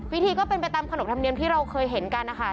พิธีก็เป็นไปตามขนบธรรมเนียมที่เราเคยเห็นกันนะคะ